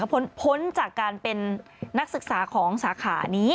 พ้นจากการเป็นนักศึกษาของสาขานี้